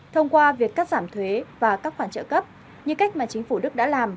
thông qua việc cắt giảm thuế và các khoản trợ cấp như cách mà chính phủ đức đã làm